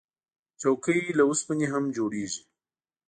چوکۍ له اوسپنې هم جوړیږي.